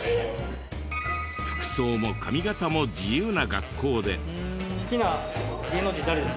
服装も髪形も自由な学校で。